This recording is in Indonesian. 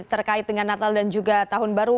terkait dengan natal dan juga tahun baru